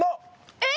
えっ！